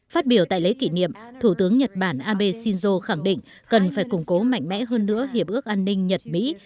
phát biểu tại lễ kỷ niệm thủ tướng nhật bản abe shinzo khẳng định cần phải củng cố mạnh mẽ hơn nữa hiệp ước an ninh nhật mỹ